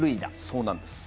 そうなんです。